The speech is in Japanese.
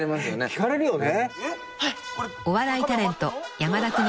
聞かれるよね。